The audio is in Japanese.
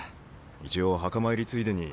一応墓参りついでに。